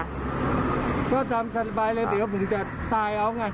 ก็ทำสบายเลยเดี๋ยวผมจะตายเอาไง